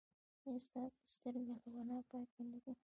ایا ستاسو سترګې له ګناه پاکې نه دي؟